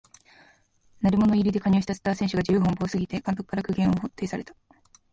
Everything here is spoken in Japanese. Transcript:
鳴り物入りで加入したスター選手が自由奔放すぎて監督から苦言を呈された